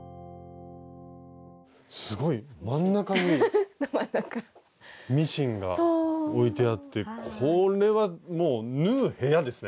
すごい真ん中にミシンが置いてあってこれはもう「縫う部屋」ですね。